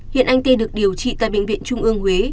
hiện anh t được điều trị tại bệnh viện trung ương huế